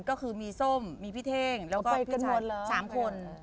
ก็คือมีส้มมีพี่เท่งแล้วก็พี่มนต์๓คน